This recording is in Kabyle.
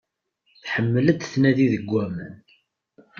Tḥemmel ad tnadi deg aman.